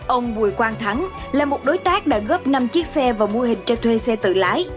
ông bùi quang thắng là một đối tác đã góp năm chiếc xe vào mô hình cho thuê xe tự lái